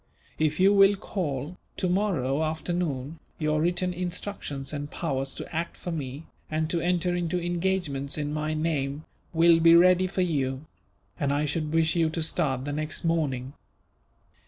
If you will call, tomorrow afternoon, your written instructions and powers to act for me, and to enter into engagements in my name, will be ready for you; and I should wish you to start the next morning.